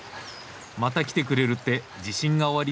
また来てくれるって自信がおありですね？